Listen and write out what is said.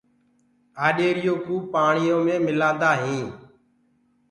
آڏيري يو ڪوُ پآڻيو مي مِلآندآ هينٚ۔